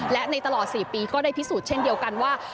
และในตลอด๔ปีก็ได้พิสูจน์เช่นเดียวกันว่า